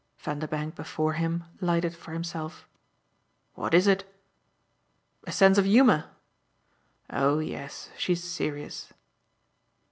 Vanderbank, before him, lighted for himself. "What is it?" "A sense of humour." "Oh yes, she's serious."